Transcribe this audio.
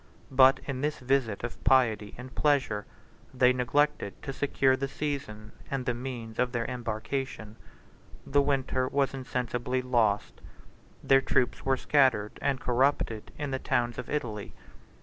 62 But in this visit of piety and pleasure, they neglected to secure the season, and the means of their embarkation: the winter was insensibly lost: their troops were scattered and corrupted in the towns of Italy.